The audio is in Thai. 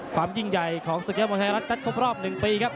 ความยิ่งใหญ่ของสุขีธรรมชายรัฐกันครบรอบหนึ่งปีครับ